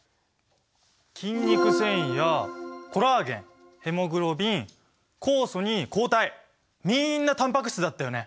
筋肉繊維やコラーゲンヘモグロビン酵素に抗体みんなタンパク質だったよね。